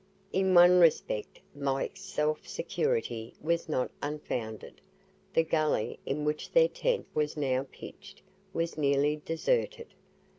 In one respect Mike's self security was not unfounded; the gully in which their tent was now pitched was nearly deserted.